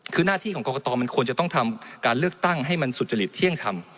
คือหน้าที่ของกรกตมันควรจะต้องทำการเลือกตั้งให้มันสุจริตเที่ยงธรรม